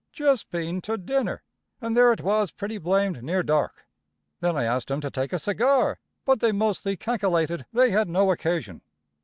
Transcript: Just been to dinner, and there it was pretty blamed near dark! Then I asked 'em to take a cigar, but they mostly cackillated they had no occasion.